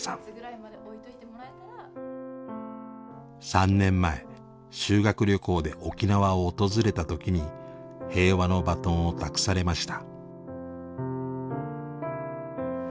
３年前修学旅行で沖縄を訪れた時に平和のバトンを託されました。